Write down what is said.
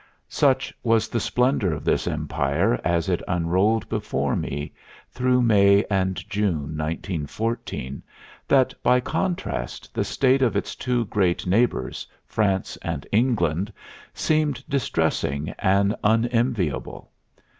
Such was the splendor of this empire as it unrolled before me through May and June, 1914, that by contrast the state of its two great neighbors, France and England, seemed distressing and unenviable.